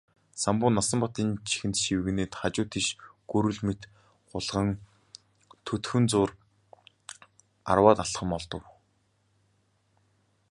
Самбуу Насанбатын чихэнд шивгэнээд хажуу тийшээ гүрвэл мэт гулган төдхөн зуур арваад алхам холдов.